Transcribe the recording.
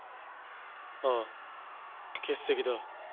ああ欠席だ。